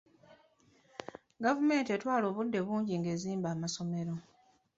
Gavumenti etwala obudde bungi nga ezimba amasomero.